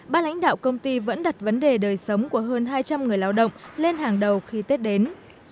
ba lãnh đạo công ty vẫn đặt vấn đề đời sống của hơn hai trăm linh người lao động lên hàng đầu khi tết đến